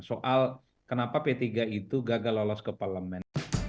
soal kenapa p tiga itu gagal lolos ke parlemen